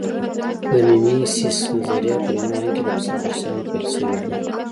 د میمیسیس نظریه په یونان کې له فیثاغورثیانو پیل شوې ده